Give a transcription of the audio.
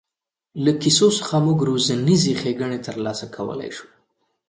له کیسو څخه موږ روزنیزې ښېګڼې تر لاسه کولای شو.